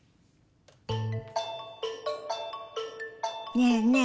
ねえねえ